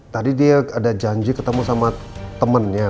tadi dia ada janji ketemu sama temennya